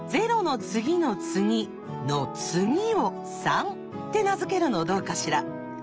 「の次」を「３」って名付けるのどうかしら？